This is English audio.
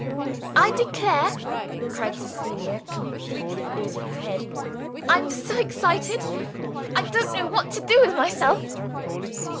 "I declare," cried Cecilia, completely losing her head, "I'm so excited, I don't know what to do with myself!"